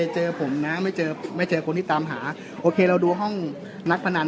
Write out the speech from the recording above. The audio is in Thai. เจอผมนะไม่เจอไม่เจอคนที่ตามหาโอเคเราดูห้องนักพนัน